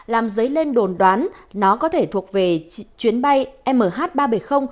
làm dấy lên đồn đoán nó có thể thuộc về chuyến bay mh ba trăm bảy mươi